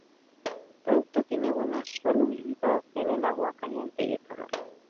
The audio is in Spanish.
El producto tiene buena solubilidad en el agua caliente y etanol.